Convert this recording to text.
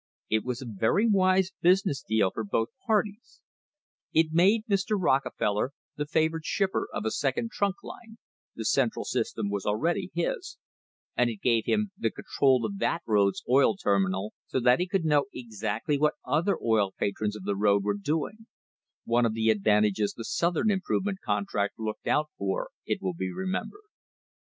* It was a very wise business deal for both parties. It made Mr. Rockefeller the favoured shipper of a second trunk line (the Central system was already his) and it gave him the control of that road's oil terminal so that \ he could know exactly what other oil patrons of the road were / doing — one of the advantages the South Improvement contract I looked out for, it will be remembered.